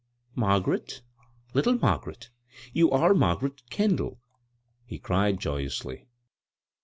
" Margaret — little Margaret 1 You are Margaret Kendall," he cried joyously.